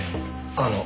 あの。